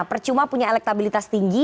percuma punya elektabilitas tinggi